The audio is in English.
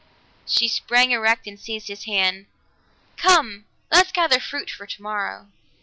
She sprang erect and seized his hand. "Come! Let's gather fruit for tomorrow."